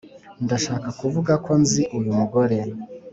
ndashaka kuvuga ko nzi uyu mugore